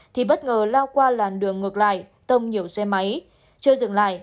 thì bất ngờ lao qua làn đường ngược lại